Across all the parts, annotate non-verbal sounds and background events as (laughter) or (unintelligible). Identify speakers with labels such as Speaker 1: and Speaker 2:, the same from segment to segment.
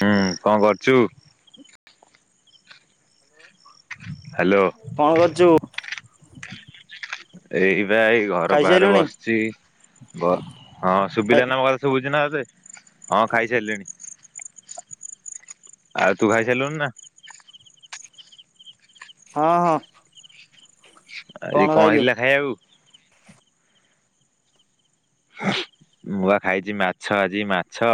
Speaker 1: ହୁଁ କଣ କରୁଛୁ? ହ୍ୟାଲୋ
Speaker 2: କଣ କରୁଛୁ?
Speaker 1: ଏଇ ପା ଏଇ ଘର ବାହାରେ
Speaker 2: ଖାଇସାରିଲୁଣି
Speaker 1: ବସିଛି ହଁ
Speaker 2: ଖାଇ
Speaker 1: ଶୁଭିଲା ମୋ କଥା। ଶୁଭୁଛି ନା ତତେ ହଁ ଖାଇସାରିଲିଣି। ଆଉ ତୁ ଖାଇସାଲୁନି ନା?
Speaker 2: ହଁ ହଁ।
Speaker 1: ଆଜି କଣ ହେଇଥିଲା ଖାଇବାକୁ? ମୁଁ ପା ଖାଇଛି ମାଛ ଆଜି ମାଛ।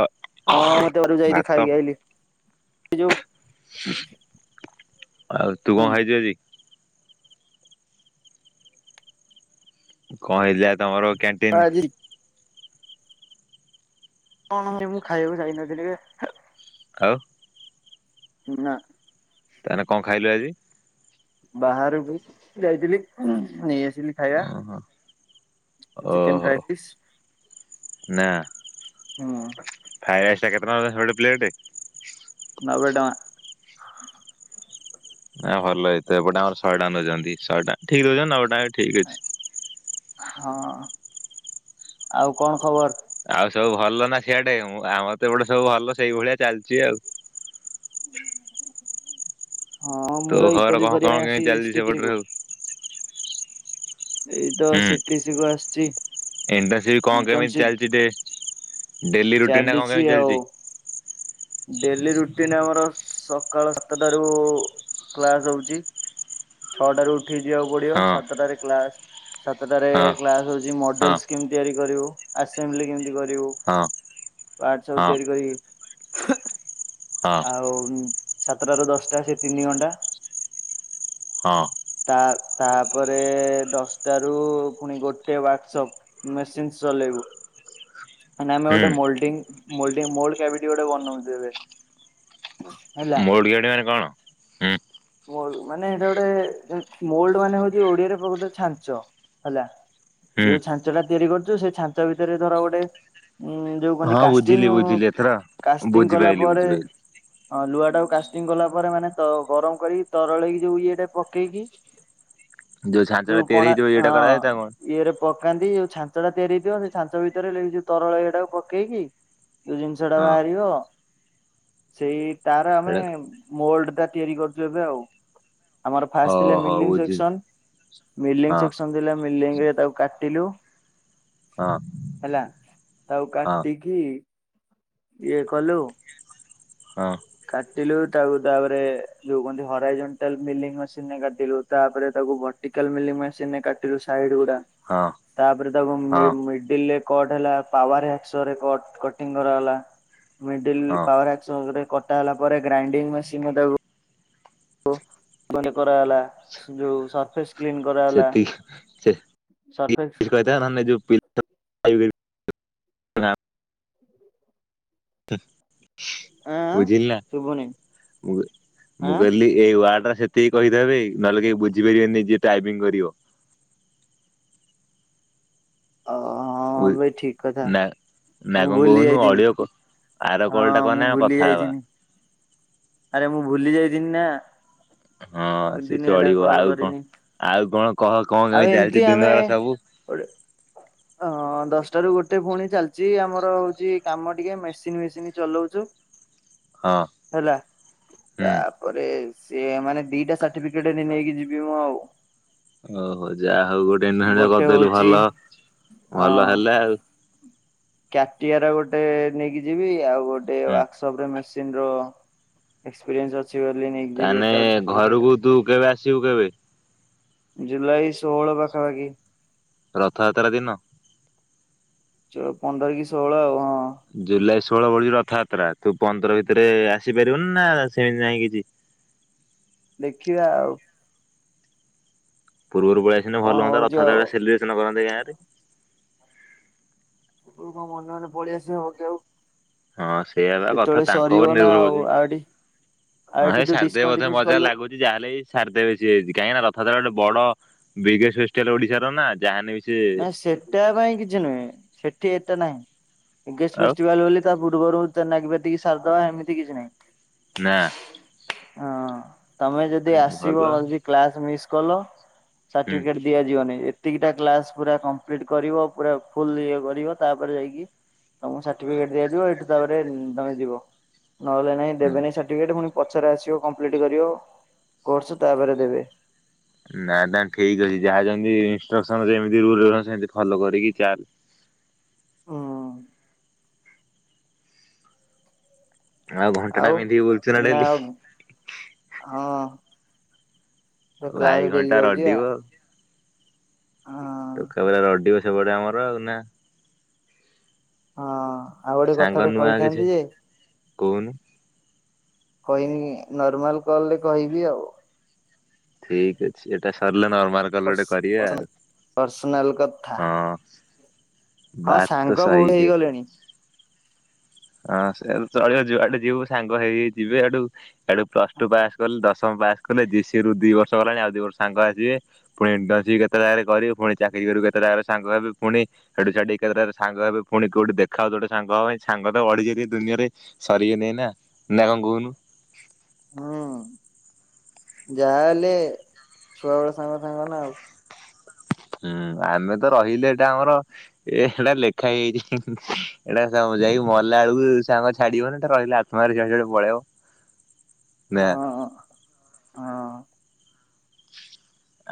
Speaker 2: ହଁ ମତେ ବାହାରକୁ ଯାଇଥିଲି
Speaker 1: ଭାତ।
Speaker 2: ଖାଇକି ଆଇଲି ସେଇ ଯୋଉ
Speaker 1: ଆଉ ତୁ କଣ ଖାଇଛୁ
Speaker 2: ହୁଁ
Speaker 1: ଆଜି? କଣ ହେଇଥିଲା ଆଜି ତମର କ୍ୟା
Speaker 2: ହଁ ଆଜି କଣ ମୁଁ ଖାଇବାକୁ ଯାଇନଥିଲି ବେ।
Speaker 1: ଆଉ?
Speaker 2: ନା।
Speaker 1: ତାହେନେ କଣ ଖାଇଲୁ ଆଜି?
Speaker 2: ବାହାରକୁ ଯାଇଥିଲି ନେଇ ଆସିଲି। ଖାଇବା
Speaker 1: ଓହୋ
Speaker 2: (unintelligible) ଚିକେନ
Speaker 1: ଓହୋ
Speaker 2: ଫ୍ରାଏରାଇସ୍।
Speaker 1: ନା। ଫ୍ରାଏରାଇସ୍ ଟା କେତେ ଟଙ୍କା ସେପଟେ ପ୍ଲେଟ?
Speaker 2: ନବେ ଟଙ୍କା।
Speaker 1: ନାଁ ଭଲ ଏଇତ ଏପଟେ ଆର ଶହେଟଙ୍କା ନେଉଛନ୍ତି। ଶହେ ଟଙ୍କା ଠିକ୍ ଦଉଛନ୍ତି ନବେଟଙ୍କା ବି ଠିକ୍ ଅଛି।
Speaker 2: ହଁ (inaudible) ଆଉ କଣ ଖବର?
Speaker 1: ଆଉ ସବୁ ଭଲ ନା ସିଆଡେ? ଆମର ତ ଏପଟେ ସବୁ ଭଲ ସେଇଭଳିଆ ଚାଲିଛି ଆଉ।
Speaker 2: ହଁ ମୁଁ
Speaker 1: ତୋ
Speaker 2: ତ
Speaker 1: ଘର
Speaker 2: ଇଣ୍ଟରଭିୟୁ
Speaker 1: କଣ
Speaker 2: କରିବା
Speaker 1: କଣ
Speaker 2: ପାଇଁ
Speaker 1: କେମିତି
Speaker 2: ଆସିଛି
Speaker 1: ଚାଲିଛି
Speaker 2: ସିଟିଟି କୁ
Speaker 1: ସେପଟରେ ସବୁ?
Speaker 2: ଏଇତ ସିଟିସିକୁ ଆସିଛି।
Speaker 1: ଇଣ୍ଡଷ୍ଟି କଣ କେମିତି
Speaker 2: ଇଣ୍ଟର୍ନସିପ
Speaker 1: ଚାଲିଛି ଦେ ଡେଲି ରୁଟିନ ଟା କଣ
Speaker 2: ଚାଲିଛି
Speaker 1: କେମିତି
Speaker 2: ଆଉ
Speaker 1: ଚାଲିଛି?
Speaker 2: ଡେଲି ରୁଟିନ ଆମର ସକାଳ ସାତଟାରୁ କ୍ଲାସ ହଉଛି। ଛଅଟାରୁ ଉଠିକି ଯିବାକୁ ପଡିବ
Speaker 1: ହଁ
Speaker 2: ସାତଟାରେ କ୍ଲାସ। ସାତଟାରେ
Speaker 1: ହଁ
Speaker 2: କ୍ଲାସ ହଉଛି
Speaker 1: ହଁ
Speaker 2: ମଡେଲସ କେମତି ତିଆରି କରିବୁ। ଆସେମ୍ବଲି କେମିତି କରିବୁ।
Speaker 1: ହଁ
Speaker 2: ପାହାଚ ସବୁ
Speaker 1: ହଁ
Speaker 2: ତିଆରି କରି
Speaker 1: ହଁ
Speaker 2: ଆଉ ସାତଟାରୁ ଦଶଟା ସେ ତିନି ଘଣ୍ଟା।
Speaker 1: ହଁ।
Speaker 2: ତା ତାପରେ ଦଶଟାରୁ ପୁଣି ଗୋଟେ ୱାର୍କସପ୍। ମେସିନ୍ ଚଲେଇବୁ।
Speaker 1: (inaudible)
Speaker 2: ମାନେ ଆମେ
Speaker 1: ହୁଁ
Speaker 2: ଗୋଟେ ମୋଲଡିଂ ମୋଲଡିଂ ମୋଲଡ କ୍ୟାବିଟି ଗୋଟେ ବନଉଛ ଏବେ ହେଲା।
Speaker 1: (unintelligible)
Speaker 2: ମୋ ମାନେ ହେଟା ଗୋଟେ ମୋଲଡ ମାନେ ହଉଛି ଓଡିଆରେ ପ୍ରକୃତରେ ଛାଞ୍ଚ ହେଲା।
Speaker 1: ହୁଁ।
Speaker 2: ଯୋଉ ଛାଞ୍ଚ ଟା ତିଆରି କରୁଛୁ ସେ ଛାଞ୍ଚ ଭିତରେ ଧର ଗୋଟେ ଉଁ ଯୋଉ କହନ୍ତି
Speaker 1: ହଁ
Speaker 2: କାଷ୍ଟିଂ
Speaker 1: ବୁଝିଲି ବୁଝିଲି ଏଥର
Speaker 2: କାଷ୍ଟିଂ କଲା
Speaker 1: ବୁଝିପାଇଲି
Speaker 2: ପରେ
Speaker 1: ବୁଝିପାଇଲି
Speaker 2: ହଁ ଲୁହା ଟାକୁ କାଷ୍ଟିଂ କଲା ପରେ ମାନେ ତ ଗରମ କରିକି ତରଳେଇକି ଯୋଉ ଇଏଟା ପକେଇକି।
Speaker 1: ଛାଞ୍ଚଟା
Speaker 2: ଯୋଉ
Speaker 1: ତିଆରି
Speaker 2: କଣା
Speaker 1: ହେଇଯିବ ଏଇଟା କରାଯାଏ ତା କଣ
Speaker 2: ହଁ। ଇଏରେ ପକାନ୍ତି ଯୋଉ ଛାଞ୍ଚ ଟା ତିଆରି ହେଇଥିବ ସେ ଛାଞ୍ଚ ଭିତରେ ଯୋଉ ତରଳ ଇଏଟାକୁ ପକେଇକି ଯୋଉ ଜିନିଷ ଟା
Speaker 1: ହଁ
Speaker 2: ବାହାରିବ ସେଇ ତାର ଆମେ
Speaker 1: ଏଇଟା
Speaker 2: ମୋଲଡଟା ତିଆରି କରୁଛୁ ଏବେ ଆଉ। ଆମର ଫାଷ୍ଟ ଥିଲେ
Speaker 1: ଓହୋ
Speaker 2: ମିଲିଂ
Speaker 1: ବୁଝିଲି
Speaker 2: ସେକ୍ସନ, ମିଲିଂ
Speaker 1: ହଁ
Speaker 2: ସେକ୍ସନ ଥିଲା। ମିଲିଂ ରେ ତାକୁ କାଟିଲୁ।
Speaker 1: ହଁ।
Speaker 2: ହେଲା ତାକୁ
Speaker 1: ହଁ
Speaker 2: କାଟିକି ଇଏ କଲୁ।
Speaker 1: ହଁ।
Speaker 2: କାଟିଲୁ ତାକୁ ତାପରେ ଯୋଉ କନ୍ତି ହରାଇଜେନ୍ଟାଲ ମିଲିଙ୍ଗ ମେସିନରେ କାଟିଲୁ। ତାପରେ ତାକୁ ଭର୍ଟିକାଲ ମଲିମେସିନ ରେ କାଟିଲୁ ସାଇଡ ଗୁଡା।
Speaker 1: ହଁ
Speaker 2: ତାପରେ ତାକୁ
Speaker 1: ହଁ
Speaker 2: ମିଡିଲରେ କଟ୍ ହେଲା ପାୱାର ହେକ୍କସ ରେ କଟ୍ କରହଲା। ମିଡିଲ
Speaker 1: ହଁ
Speaker 2: ପାୱାରହେକ୍ସ ରେ କଟା ହେଲା ପରେ ଗ୍ରାଇଡିଙ୍ଗ ମେସିନ ରେ ତାକୁ ଓ ମାନେ କରାହେଲା ଯୋଉ ସରଫେସ କ୍ଲିନ କରାହଲା। ସରଫେସ
Speaker 1: ଛୁଆଟା ନା ଏଇ ଯୋଉ ପିଲା
Speaker 2: ଆଁ
Speaker 1: ବୁଝିଲୁ ନା
Speaker 2: ଶୁଭୁନି
Speaker 1: ମୁ
Speaker 2: ଆଁ
Speaker 1: ମୁ କହିଲି ଏଇ ୱାର୍ଡ ଟା ସେତିକି କହିଦେବେକି ନହେଲେ କେହି ବୁଝିପାରିବେନି ଯିଏ ଟାଇପିଂ କରିବ।
Speaker 2: ଓ ହଁ ହଁ ବେ ଠିକ୍ କଥା।
Speaker 1: ନା ନା
Speaker 2: ମୁଁ
Speaker 1: କଣ
Speaker 2: ଭୁଲି
Speaker 1: କହୁନୁ
Speaker 2: ଯାଇଥିନି।
Speaker 1: ଅଡିଓ ଆର କଲ୍ ଟା
Speaker 2: ହଁ ମୁଁ
Speaker 1: କନେ
Speaker 2: ଭୁଲି
Speaker 1: କଥା ହେବା।
Speaker 2: ଯାଇଥିନି ଆରେ ମୁଁ ଭୁଲି ଯାଇଥିନି ନା।
Speaker 1: ହଁ ସେ
Speaker 2: ଦିନି ହେଲା
Speaker 1: ଚଳିବ
Speaker 2: କଲ
Speaker 1: ଆଉ କଣ
Speaker 2: କରିନି।
Speaker 1: ଆଉ କଣ କହ କଣ
Speaker 2: ଆଉ
Speaker 1: କେମିତି
Speaker 2: ଏମିତି
Speaker 1: ଚାଲିଛି
Speaker 2: ଆମେ
Speaker 1: ଦିନ ଘର ସବୁ।
Speaker 2: (unintelligible) ହଁ ଦଶଟା ରୁ ଗୋଟେ ପୁଣି ଚାଲିଛି ଆମର ହଉଛି କାମ ଟିକେ ମେସିନ ମେସିନ ଚଲଉଛୁ।
Speaker 1: (inaudible)
Speaker 2: ହେଲା।
Speaker 1: ହୁଁ।
Speaker 2: ପରେ ସେ ମାନେ ଦିଟା ସାର୍ଟିଫିକେଟ ନେଇକି ଯିବି ମୁଁ ଆଉ।
Speaker 1: ଓହୋ ଯାହା ହଉ ଗୋଟେ ନାଆ ଟେ କରିଦେଲୁ ଭଲ ଭଲ ହେଲେ ଆଉ।
Speaker 2: କ୍ୟାଟିଆ ର ଗୋଟେ ନେଇକି ଯିବି ଆଉ ଗୋଟେ
Speaker 1: ହୁଁ
Speaker 2: ୱାଶ ତାପରେ ମେସିନ୍ ର ଏକ୍ସପ୍ରିଏନସ୍ ଅଛି ଛି ବୋଲି ନେଇକି। ଯିବି
Speaker 1: ତାନେ
Speaker 2: ଏଟା ଗୋଟେ ସାର୍ଟିଫିକେଟ।
Speaker 1: ଘରକୁ ତୁ କେବେ ଆସିବୁ କେବେ
Speaker 2: ଜୁଲାଇ ଷୋହଳ ପାଖାପାଖି।
Speaker 1: ରଥଯାତ୍ରା ଦିନ।
Speaker 2: ପନ୍ଦର କି ଷୋହଳ ଆଉ ହଁ।
Speaker 1: ଜୁଲାଇ ଷୋହଳ ପଡୁଛି ରଥଯାତ୍ରା ତୁ ପନ୍ଦର ଭିତରେ ଆସିପାରିବୁନା ସେମିତି ନାହିଁ କିଛି।
Speaker 2: ଦେଖିବା ଆଉ
Speaker 1: ପୂର୍ବରୁ ପଳେଇଆସିଲେ
Speaker 2: କଣ
Speaker 1: ଭଲହୁଅନ୍ତା
Speaker 2: ହଉଛି ଆଉ।
Speaker 1: ରଥଯାତ୍ରା ଟା ସେଲିବ୍ରେସନ କରନ୍ତେ ଗାଁରେ।
Speaker 2: ତୁ କ ମନେ ମନେ ପଳେଇ ଆସି ହବ କି ଆଉ
Speaker 1: ହଁ ସେଇଆ ପା କଥା
Speaker 2: ଯେତେବେଳେ
Speaker 1: ତାଙ୍କ ଉପରେ
Speaker 2: ସରିବ ନା
Speaker 1: ନିର୍ଭର
Speaker 2: ଆଉ
Speaker 1: କରୁଛି।
Speaker 2: ଆଉ ଏଠି ଆଉ
Speaker 1: ହଁ
Speaker 2: ଏଠି
Speaker 1: ଏ
Speaker 2: ତୁ
Speaker 1: ସାରଦେବେ ବୋଧେ
Speaker 2: ଡିସକଣ୍ଟିନ୍ୟୁସ୍
Speaker 1: ମତେ ଜାହା
Speaker 2: କଲୁ
Speaker 1: ଲାଗୁଛି। ଯାହା ହେଲେ ବି ସାରି ଦେବେ ସିଏ ବି କାହିଁକିନା ରଥ ଯାତ୍ରା ଗୋଟେ ବଡ ବିଗେଷ୍ଟ୍ ଫେଷ୍ଟିଭାଲ ଓଡିଶାର ନା ଯାହା ହେନେବି
Speaker 2: ନାଇଁ ସେଟା ପାଇଁ କିଛି ନୁହେଁ ସେଠି ଏଟା ନାହିଁ ବିଗେଷ୍ଟ
Speaker 1: ଆଉ
Speaker 2: ଫେଷ୍ଟିଭାଲ ବୋଲି ତା ବୁର୍ବରୁ ତ୍ ନାଗିପାତିକି ସାରିଦବା ଏମିତି କିଛି ନହିଁ।
Speaker 1: ନା।
Speaker 2: ହଁ ତମେ ଯଦି ଆସିବ
Speaker 1: ଭଲ
Speaker 2: ଯଦି କ୍ଲାସ ମିସ୍ କଲ।
Speaker 1: ହୁଁ
Speaker 2: ସାର୍ଟିଫିକେଟ ଦିଆଯିବନି ଏତିକିଟା କ୍ଲାସ ପୁରା କମ୍ପ୍ଲିଟ କରିବ ପୁରା ଫୁଲ ଇଏ କରିବ ତାପରେ ଯାଇକି ତମ ସାଟି ସାର୍ଟିଫିକେଟ ଦିଆଯିବ ଏଠୁ ତାପରେ ତମେ ଯିବ ନହେଲେ ନାଇଁ
Speaker 1: ହୁଁ।
Speaker 2: ଦେବେନି ସାର୍ଟି ଫିକେଟ ଫୁଣି ପଛରେ ଆସିବ କମ୍ପ୍ଲିଟ କରିବ କୋର୍ସ ତାପରେ ଦେବେ।
Speaker 1: ନା ନା ଠିକ ଅଛି ଯାହାଯେମିତି ଇନଷ୍ଟ୍ରକ୍ସନ ଯେମତି ରୁଲ ରେଗୁଲେସନ୍ ସେମିତି ଫଲୋ କରିକି ଚାଲ
Speaker 2: ହଁ।
Speaker 1: ଆଉ ଘଣ୍ଟା ଟା ପନ୍ଧିକି ବଲୁଛୁ ନା
Speaker 2: ଏଇନା
Speaker 1: ଡେଲି
Speaker 2: ଆଉ ହଁ। କ୍ଲାସ
Speaker 1: ଭାଇ
Speaker 2: ଡେଲି
Speaker 1: ଘଣ୍ଟା
Speaker 2: ଯାଉଛି ଆ
Speaker 1: ରଡିବ।
Speaker 2: ହଁ
Speaker 1: ଟୋକା ପୁରା ରଡିବ ସେପଟେ ଆମର ଆଉ ନା।
Speaker 2: ହଁ ଆଉ ଗୋଟେ
Speaker 1: ସାଙ୍ଗ
Speaker 2: କଥା ଟେ
Speaker 1: ନୂଆ କିଛି
Speaker 2: କହିଥାନ୍ତି ଯେ
Speaker 1: କହୁନୁ।
Speaker 2: କହିମିନି ନର୍ମାଲ କଲରେ କହିବି ଆଉ।
Speaker 1: ଠିକ ଅଛି ଏଟା ସରିଲେ ନର୍ମାଲ କୋଉଦିନ ଗୋଟେ
Speaker 2: ପର୍ସ
Speaker 1: କରିବା
Speaker 2: ପର୍ସନାଲ କଥା
Speaker 1: ଆଉ ହଁ।
Speaker 2: ହଁ
Speaker 1: ବାତ ତୋ
Speaker 2: ସାଙ୍ଗ ବହୁତ
Speaker 1: ସହି ହେ।
Speaker 2: ହେଇଗଲେଣି।
Speaker 1: ହଁ ସେଆ କୁ ଚଳିବ ଯୁଆଡେ ଯିବୁ ସାଙ୍ଗ ହେଇକି ଯିବେ ହେଠୁ ହେଠୁ ପ୍ଲସ ଟୁ ପାସ୍ କଲେ ଦଶ ପ୍ରଥମ ପାସ୍ କଲେ ଜିସିରୁ ଦି ବର୍ଷ ଗଲାଣି ଆଉ ଦିଇ ବର୍ଷ ସାଙ୍ଗ ଆସିବେ। ପୁଣି ଇଟନସିପ କେତେ ଜାଗାରେ କରିବିୁ ପୁଣି ଚାକିରି କରିବୁ କେତେ ଜାଗାରେ ସାଙ୍ଗ ହେବେ ପୁଣି ସେଠୁ ଛାଡିକି କେତେଟା ସାଙ୍ଗ ହେବେ ପୁଣି କୋଉଠି ଦେଖା ହୋଉଥିବ ଗୋଟେ ସାଙ୍ଗ ହବା ପାଇଁ ସାଙ୍ଗ ବଢି ଯଦି ଦୁନିଆରେ ସରିବେ ନାଇ ନା ନା କଣ କହୁନୁ।
Speaker 2: ହୁଁ ଯାହା ହେଲେ ଛୁଆ ବେଳ ସାଙ୍ଗ ସାଙ୍ଗ ନା ଆଉ।
Speaker 1: ହୁଁ ଆମେ ତ ରହିଲେ ଏଇଟା ଆମର ଏ ଏଇଟା ଲେଖା ହେଇଯାଇଛି ଏଇଟା ଯାଇକି ମଲା ବେଳକୁ ସାଙ୍ଗ ଛାଡିବନି ଏଟା ରହିଲା। (unintelligible) ପଳେଇବ ନାଁ
Speaker 2: ହଁ। ହଁ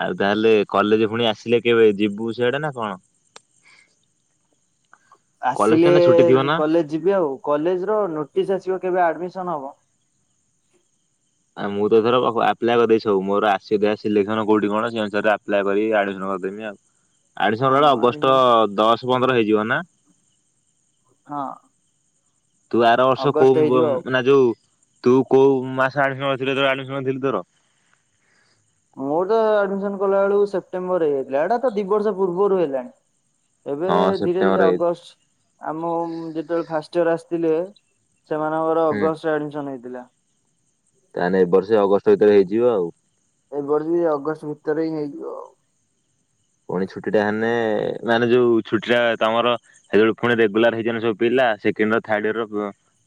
Speaker 1: ଆଉ ତାହେଲେ କଲେଜ ପୁଣି ଆସିଲେ କେବେ ଯିବୁ ସେଆଡେ ନା କଣ। କଲେଜ ତ
Speaker 2: ଆସିଲେ
Speaker 1: ଏଇନା ଛୁଟି ଥିବ ନା?
Speaker 2: କଲେଜ ଯିବି ଆଉ କଲେଜ ର ନୋଟିସ ଆସିବ କେବେ ଆଡମିସନ ହବ।
Speaker 1: ଆଉ ମୁଁ ତ ତୋର ଆପ୍ଲାଏ କରିଦେଇଛି ସବୁ ମୋର ଆସିବ କେଜାଣି ଆ ସିଲେକ୍ସନ କୋଉଠି କଣ ସେ ଅନୁସାରେ ଆପ୍ଲାଏ କରି ଆଡମିସନ କରିଦେବି ଆଉ। ଆଡିଶନଲା
Speaker 2: ହଁ
Speaker 1: ବେଳେ ଅଗଷ୍ଟ
Speaker 2: ଆଡମିସନ
Speaker 1: ଦଶ ପନ୍ଦର ହେଇଯିବ ନା?
Speaker 2: ହଁ।
Speaker 1: ତୁ ଆର ବର୍ଷ
Speaker 2: ଅଗଷ୍ଟ
Speaker 1: କୋଉ,
Speaker 2: ହେଇଯିବ ଆଉ।
Speaker 1: ନା ଯୋଉ ତୁ କୋଉ ମାସ ଆଡମିନ କରିଥିଲ ଆଡମିନ କରିଥିଲୁ ତୋର?
Speaker 2: ମୋର ତ ଆଡମିସନ କଲା ବେଳକୁ ସେପ୍ଟେମ୍ବର ଇ ହେଇାଇଥିଲା। ଏଇଟା ତ ଦି ବର୍ଷ ପୂର୍ବରୁ ହେଲାଣି। ଏବେ
Speaker 1: ହଁ
Speaker 2: ଧୀରେ
Speaker 1: ସେପ୍ଟେମ୍ବର
Speaker 2: ଧୀରେ
Speaker 1: ହେଇ
Speaker 2: ଅଗଷ୍ଟ। ଆମ ଯେତେବେଳେ ଫାଷ୍ଟ ଇୟର ଆସିଥିଲେ ସେମାନଙ୍କର
Speaker 1: ହୁଁ
Speaker 2: ଅଗଷ୍ଟ ରେ ଆଡମିଶନ ହେଇଥିଲା।
Speaker 1: ତାହେଲେ ଏ ବର୍ଷେ ଅଗଷ୍ଟ ଭିତରେ ହେଇଯିବ ଆଉ।
Speaker 2: ଏଇ ବର୍ଷ ବି ଅଗଷ୍ଟ ଭିତରେ ହିଁ ହେଇଯିବ ଆଉ।
Speaker 1: ପୁଣି ଛୁଟି ଟା ହେଲେ ମାନେ ଯୋଉ ଛୁଟି ଟଟା ତମର ସେତେବେଳଳେ ପୁଣି ରେଗୁଲାର ହେଇଯନ ସବୁ ପିଲା ସେକେଣ୍ଡ ର ଥଡ ଇର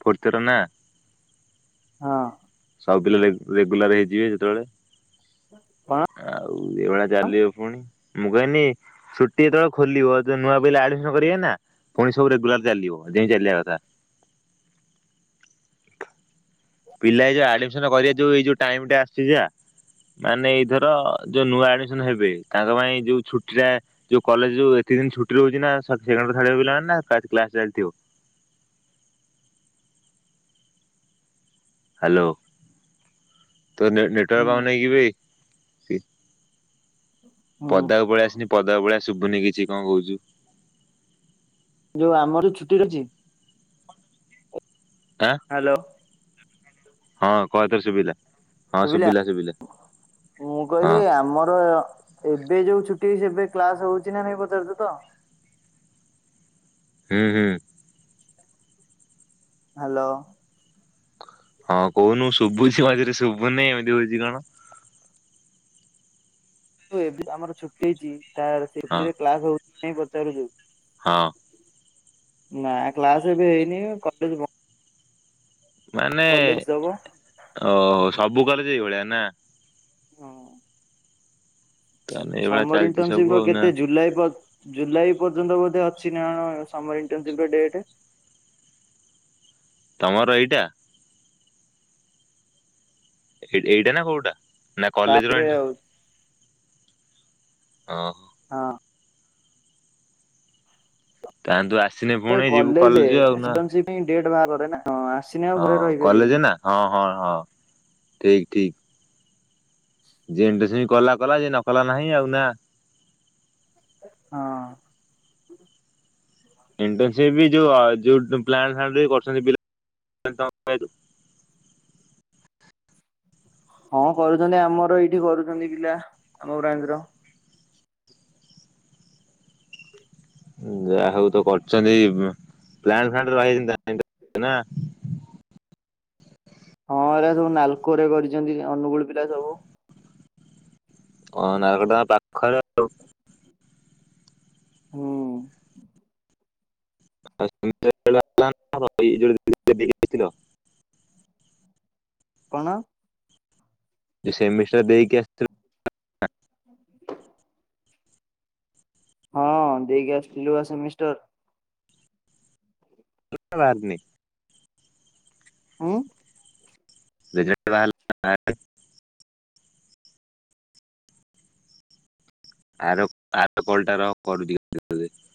Speaker 1: ଫୋର୍ଥ ଇ ର ନା।
Speaker 2: ହଁ
Speaker 1: ସବୁ ପିଲା ରେଗୁଲାର ହେଇଯିବେ ଯେତେବେଳେ
Speaker 2: କଣ?
Speaker 1: (inaudible) ଆଉ ହଉ ଏଭଳିଆ ଚାଲିବ ପୁଣି। ମୁଁ କହିଲି ଛୁଟି ଯେତେବେଳେ ଖୋଲିବ ଯ ନୂଆ ପିଲା ଆଡମିସନ କରିବେ ନା। ପୁଣି ସବୁ ରେଗୁଲାର ଚାଲିବ ଯେମିତି ଚାଲିବା କଥା। ପିଲା ଏଇ ଯୋଉ ଆଡମିସନ କରିବା ଯୋଉ ଏ ଯୋଉ ଟାଇମ ଟା ଆସିଛି ମାନେ ଏଇଥର ଯୋଉ ନୂଆ ଆଡମିସନ ହେବେ ତାଙ୍କ ପାଇଁ ଯୋଉ ଛୁଟି ଟା ଯୋଉ କଲେଜ ଯୋଉ ଏତ ଦିନ ଛୁଟି ରହୁଛି ନା। ସେ ପିଲ ନା କସ ଚାଲିଥିବ? ହ୍ୟାଲୋ (inaudible) ତୋ ନେଟୱାର୍କ
Speaker 2: ହୁଁ
Speaker 1: ପାଉନହିଁ କି ଭାଇ? (inaudible)
Speaker 2: ହୁଁ
Speaker 1: ପଦାକୁ ପଳେଇ ଆସିନି। ପଦାକୁ ପାଳିଆ ଶୁଭୁନି କିଛି କଣ କହୁଛୁ?
Speaker 2: ଯୋଉ ଆମର ଛୁଟି ର ଅଛି (inaudible)
Speaker 1: ଆ।
Speaker 2: ହ୍ୟାଲୋ।
Speaker 1: ହଁ କହଥରେ ସୁବିଲା।
Speaker 2: ଶୁଭିଲା। ମୁଁ କହିଲି
Speaker 1: ହଁ
Speaker 2: ଆମର ଏବେ ଯୋଉ ଛୁଟି ହେଇଛି, ଏବେ କ୍ଲାସ ହଉଛି ନା ନାଇଁ ପଚାରୁଛୁ ତ?
Speaker 1: ହୁଁ, ହୁଁ।
Speaker 2: ହ୍ୟାଲୋ?
Speaker 1: ହଁ କହୁନୁ ଶୁଭୁଛିି ମଝିରେ ଶୁଭୁନହିଁ। ଏମିତି ହଉଛି କଣ?
Speaker 2: ତ ଏବେ ଆମର ଛୁଟି ହେଇଛି
Speaker 1: ହଁ
Speaker 2: ଛୁଟିରେ କ୍ଲାସ ହଉଛି ନାଇଁ ପଚାରୁଛ?
Speaker 1: ହଁ।
Speaker 2: ନା କ୍ଲାସ ଏବେ ହେଇନି କଲେଜ
Speaker 1: ମାନେ
Speaker 2: କଲେଜ ଦବ
Speaker 1: ଓ ସବୁ କଲେଜ ଏଇ ଭଳିଆ ନା?
Speaker 2: ହଁ।
Speaker 1: ତାହେଲେ ଏଇଭଳିଆ
Speaker 2: ସମର
Speaker 1: ଚାଲିଛି ସବୁ
Speaker 2: ଇଣ୍ଟର୍ନସିପ ର
Speaker 1: ଆଉ ନା
Speaker 2: କେତେ ଜୁଲାଇ ଜୁଲାଇ ପର୍ଯ୍ୟନ୍ତ ବୋଧେ ଅଛି ନା କଣ ଡେଟ।
Speaker 1: ତମର ଏଇଟା? ଏଇଟା ନା କୋଉଟା ନା କଲେଜ ର
Speaker 2: ତାପରେ
Speaker 1: ଏ
Speaker 2: ଆଉ
Speaker 1: (inaudible) ଓ।
Speaker 2: ହଁ।
Speaker 1: ତାହନ୍ତୁ ଆସନି ପୁଣି ଯିବୁ କଲେଜ ଆଉ ନା?
Speaker 2: ନାଇଁ ଡେଟ୍ ବାରରେ ନାଁ ଆସିନି ଆଉ
Speaker 1: ହଁ
Speaker 2: ଘରେ
Speaker 1: କଲେଜ
Speaker 2: ରହିପାରିବିନି।
Speaker 1: ନା ହଁ ହଁ ହଁ ଠିକ ଠିକ। ଯେମତି ସେମତି କଲା କଲା ଯଏ ନ କଲା ନାହିଁ ଆଉ ନା।
Speaker 2: ହଁ।
Speaker 1: ଇଣ୍ଟସିପ ବି ଯୋଉ ଯଉ ପ୍ଲାଣ୍ଟ ଫ କରଛନ୍ତି (unintelligible)
Speaker 2: ହଁ କରୁଛନ୍ତି ଆମର ଏଇଠି କରୁଛନ୍ତି ପିଲା ଆମ ବ୍ରାଞ୍ଚର।
Speaker 1: ଯାହା ହଉ ତ କରଛନ୍ତି ପ୍ଲାଣ୍ଟ ଫ୍ଲାଣ୍ଟ ରେ ନା?
Speaker 2: ହଁ ଏରା ସବୁ ନାଲକୋ ରେ କରିଛନ୍ତି ଅନୁଗୁଳ ପିଲା ସବୁ।
Speaker 1: ହଁ ନାଲକୋ ଟା ପାଖରେ ଆଉ।
Speaker 2: ହଁ।
Speaker 1: (unintelligible)
Speaker 2: କଣ?
Speaker 1: ସେମି ଷ୍ଟାର୍ ଦେଇକି ଆସିଥିଲେ।
Speaker 2: (inaudible) ହଁ ଦେଇକି ଆସିଥିଲୁ ବା ସେମିଷ୍ଟର।
Speaker 1: (unintelligible)
Speaker 2: ଉଁ।
Speaker 1: ରେଜୁଲ୍ଟ ବାହାରିଲାଣି ନା ବାହାରିନି? ଆର ଆର କଲଟାର କରି। (unintelligible)